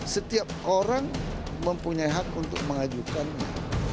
setiap orang mempunyai hak untuk mengajukannya